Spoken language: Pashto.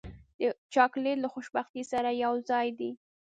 چاکلېټ له خوشبختۍ سره یوځای دی.